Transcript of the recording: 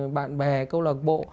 bạn bè câu lạc bộ